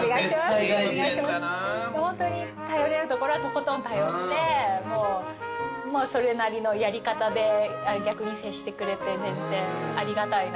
ホントに頼れるところはとことん頼ってそれなりのやり方で逆に接してくれて全然ありがたいなっていう。